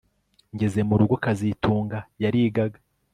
Ngeze mu rugo kazitunga yarigaga